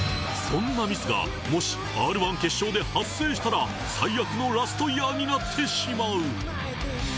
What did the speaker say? そんなミスがもしＲ−１決勝で発生したら最悪のラストイヤーになってしまう。